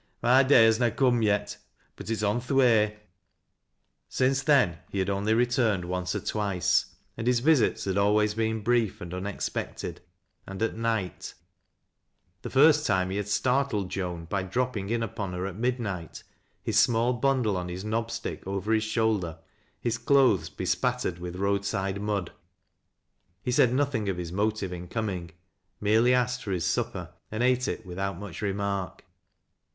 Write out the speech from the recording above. My day has na cooin yet. but it's on th' way." 138 TEAT LAsa a LOWBISrS. Since then he had only returned once or twice, and hii visits had always been brief and unexpected, and at nighl The first time he had startled Joan by dropping in upon her at midnight, his small bundle on his knob stick ovei his shoulder, his clothes bespattered with road side mud He said nothing of his motive in coming^merely asked for his supper and ate it without much remark.